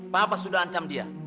papa sudah ancam dia